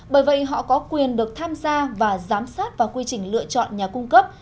bởi vậy họ có quyền được tham gia và giám sát vào quy trình lựa chọn nhà cung cấp